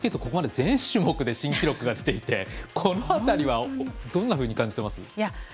ここまで全種目で新記録が出ていてこの辺りはどんなふうに感じてます？